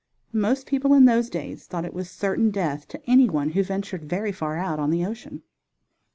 Most people in those days thought it was certain death to any one who ventured very far out on the ocean.